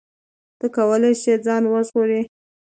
ته کولی شې ځان وژغورې.